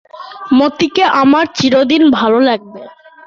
মতিকে আমার চিরদিন ভালো লাগবে।